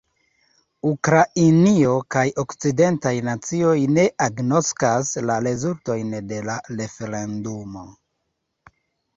Ukrainio kaj okcidentaj nacioj ne agnoskas la rezultojn de la referendumo.